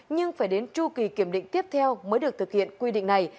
nhưng phải đến chu kỳ kiểm định tiếp theo mới được thực hiện quy định này